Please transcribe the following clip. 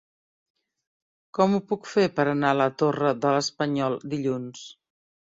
Com ho puc fer per anar a la Torre de l'Espanyol dilluns?